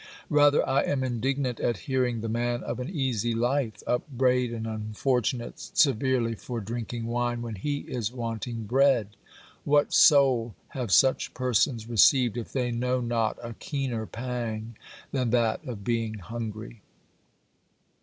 Rather I am indignant at hearing the man of an easy life upbraid an unfortunate severely for drinking wine when he is wanting bread. What soul have such persons received if they know not a keener pang than that of being hungry